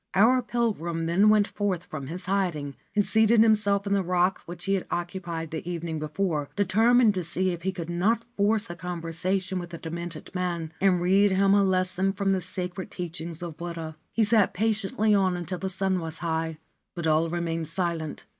Our pilgrim then went forth from his hiding, and seated himself on the rock which he had occupied the evening before, determined to see if he could not force a con versation with the demented man and read him a lesson from the sacred teachings of Buddha. He sat patiently on until the sun was high ; but all remained silent.